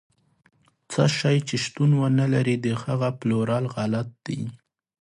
څه شی چې شتون ونه لري، د هغه پلورل غلط دي.